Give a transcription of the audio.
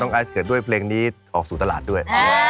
ไอซ์เกิดด้วยเพลงนี้ออกสู่ตลาดด้วย